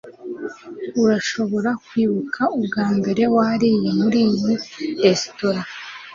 urashobora kwibuka ubwambere wariye muri iyi resitora